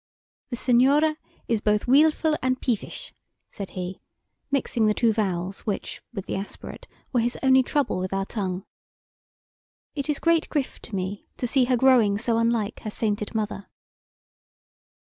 "The senhora is both weelful and pivish," said he, mixing the two vowels which (with the aspirate) were his only trouble with our tongue. "It is great grif to me to see her growing so unlike her sainted mother!"